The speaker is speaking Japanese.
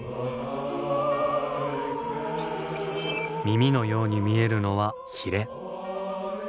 耳のように見えるのはヒレ。